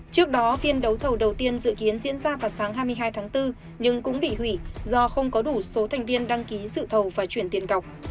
trước đó phiên đấu thầu đầu tiên dự kiến diễn ra vào sáng hai mươi hai tháng bốn nhưng cũng bị hủy do không có đủ số thành viên đăng ký sự thầu và chuyển tiền cọc